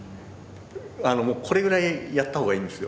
これぐらいやった方がいいんですよ。